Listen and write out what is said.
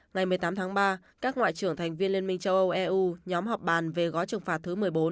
ngày một mươi tám tháng ba các ngoại trưởng thành viên liên minh châu âu eu nhóm họp bàn về gói trừng phạt thứ một mươi bốn